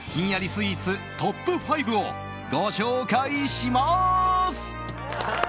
スイーツトップ５をご紹介します。